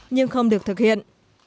nhưng không được thực hiện